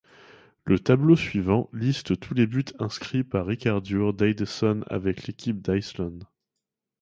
Le tableau suivant liste tous les buts inscrits par Ríkharður Daðason avec l'équipe d'Islande.